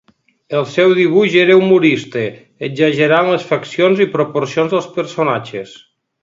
El seu dibuix era humorista exagerant les faccions i proporcions dels personatges.